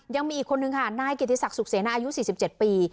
ยังมีอีกคนนึงค่ะนายเกียรติศักดิ์ศูนย์สุขเสน่าอายุสิบเจ็บปี